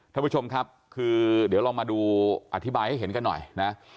ท่านผู้ชมครับคือเดี๋ยวลองมาดูอธิบายให้เห็นกันหน่อยนะ